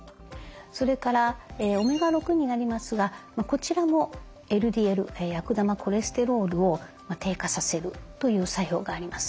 それからオメガ６になりますがこちらもＬＤＬ悪玉コレステロールを低下させるという作用があります。